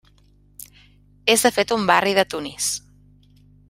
És de fet un barri de Tunis.